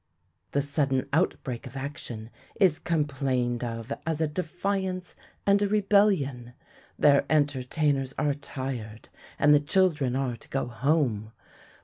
The sudden outbreak of action is complained of as a defiance and a rebellion. Their entertainers are tired, and the children are to go home.